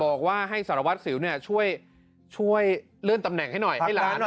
ดอกว่าให้สารวัติเซียวช่วยลื่นตำแหน่งให้หน่อย